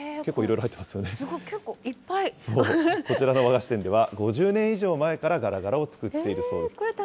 すごい、結構、こちらの和菓子店では、５０年以上前からがらがらを作っているそうです。